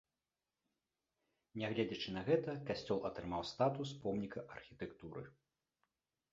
Нягледзячы на гэта, касцёл атрымаў статус помніка архітэктуры.